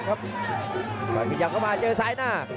ก็พยายามเข้ามาเจอซ้ายหน้า